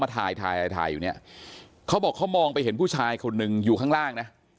มาถ่ายถ่ายถ่ายอยู่นะปักมองไปเห็นผู้ชายคนนึงอยู่ข้างล่าง